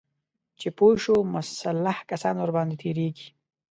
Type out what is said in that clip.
چې پوه شو مسلح کسان ورباندې تیریږي